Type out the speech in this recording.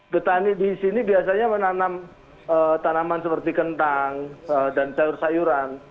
petani di sini biasanya menanam tanaman seperti kentang dan sayur sayuran